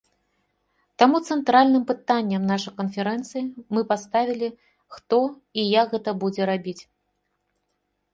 Таму цэнтральным пытаннем нашай канферэнцыі мы паставілі, хто і як гэта будзе рабіць.